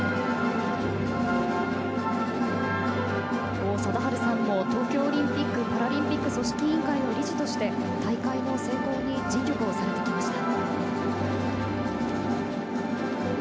王貞治さんも東京オリンピック・パラリンピック組織委員会の理事として大会の成功に尽力をされてきました。